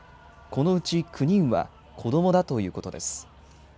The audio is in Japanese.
このうち９人は子どもだということです。